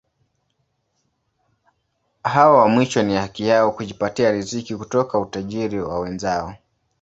Hao wa mwisho ni haki yao kujipatia riziki kutoka utajiri wa wenzao.